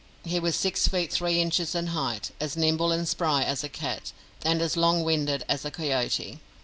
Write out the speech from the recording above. He was six feet three inches in height, as nimble and spry as a cat, and as long winded as a coyote.